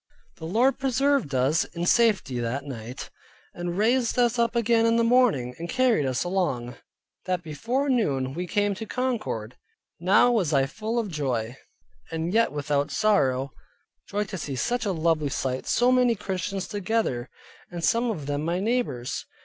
The Lord preserved us in safety that night, and raised us up again in the morning, and carried us along, that before noon, we came to Concord. Now was I full of joy, and yet not without sorrow; joy to see such a lovely sight, so many Christians together, and some of them my neighbors.